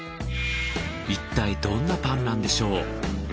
いったいどんなパンなんでしょう？